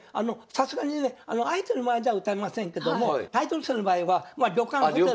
さすがにね相手の前では歌いませんけどもタイトル戦の場合は旅館ホテル。